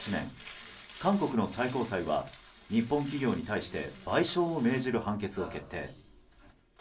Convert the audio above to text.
韓国の最高裁は日本企業に対して賠償を命じる判決を決定。